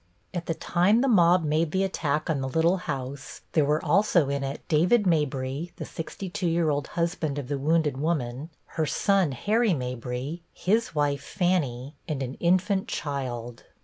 At the time the mob made the attack on the little house there were also in it David Mabry, the sixty two year old husband of the wounded woman; her son, Harry Mabry; his wife, Fannie, and an infant child.